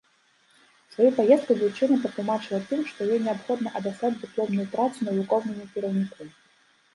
Сваю паездку дзяўчына патлумачыла тым, што ёй неабходна адаслаць дыпломную працу навуковаму кіраўніку.